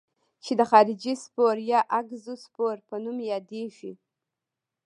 چې د خارجي سپور یا اګزوسپور په نوم یادیږي.